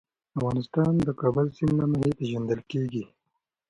افغانستان د د کابل سیند له مخې پېژندل کېږي.